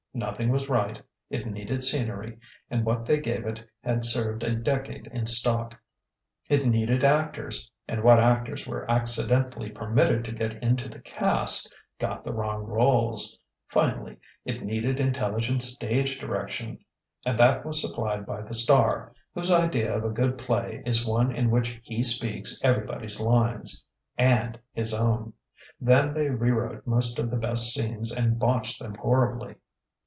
Nothing was right: it needed scenery, and what they gave it had served a decade in stock; it needed actors, and what actors were accidentally permitted to get into the cast got the wrong rôles; finally, it needed intelligent stage direction, and that was supplied by the star, whose idea of a good play is one in which he speaks everybody's lines and his own. Then they rewrote most of the best scenes and botched them horribly."